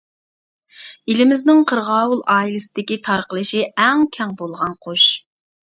ئېلىمىزنىڭ قىرغاۋۇل ئائىلىسىدىكى تارقىلىشى ئەڭ كەڭ بولغان قۇش.